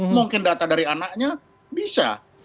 mungkin data dari anaknya bisa